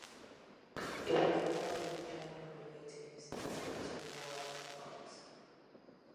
He was part of the German relay teams that set two world records.